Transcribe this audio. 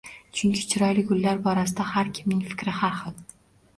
Chunki chiroyli gullar borasida har kimning fikri har xil